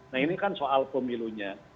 nah ini kan soal pemilunya